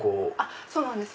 そうなんです